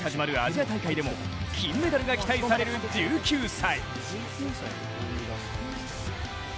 今月始まるアジア大会でも金メダルが期待される１９歳。